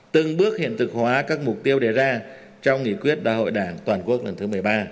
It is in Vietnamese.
từng bước hiện thực hóa các mục tiêu đề ra trong nghị quyết đại hội đảng toàn quốc lần thứ một mươi ba